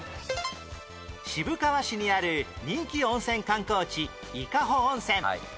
渋川市にある人気温泉観光地伊香保温泉